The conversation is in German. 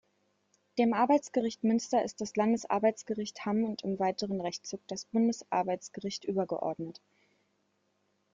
Dem Arbeitsgericht Münster ist das Landesarbeitsgericht Hamm und im weiteren Rechtszug das Bundesarbeitsgericht übergeordnet.